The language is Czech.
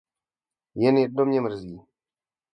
Jen jedno mě mrzí.